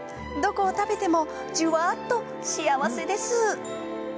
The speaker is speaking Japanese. どこを食べてもじゅわっと幸せです。